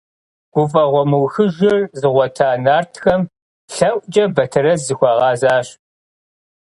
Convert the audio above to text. Гуфӏэгъуэ мыухыжыр зыгъуэта нартхэм лъэӏукӏэ Батэрэз захуигъэзащ.